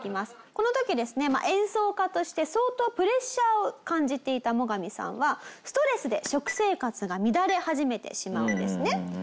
この時ですね演奏家として相当プレッシャーを感じていたモガミさんはストレスで食生活が乱れ始めてしまうんですね。